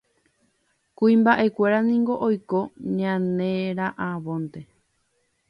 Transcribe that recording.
Kuimbaʼekuéra niko oiko ñaneraʼãvonte.